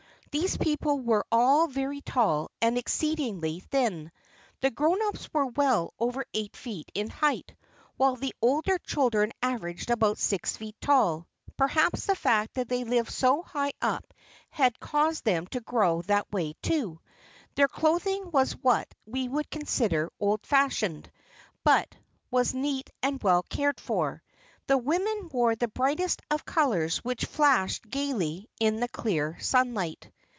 These people were all very tall and exceedingly thin. The grown ups were well over eight feet in height, while the older children averaged about six feet tall. Perhaps the fact that they lived so high up had caused them to grow that way, too. Their clothing was what we would consider old fashioned, but was neat and well cared for. The women wore the brightest of colors which flashed gaily in the clear sunlight.